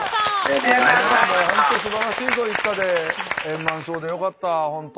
すばらしいご一家で円満そうでよかった本当。